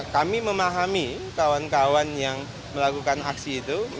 kami memahami kawan kawan yang melakukan aksi itu